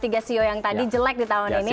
tiga sio yang tadi jelek di tahun ini